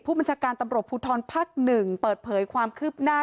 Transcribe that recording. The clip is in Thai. บัญชาการตำรวจภูทรภักดิ์๑เปิดเผยความคืบหน้า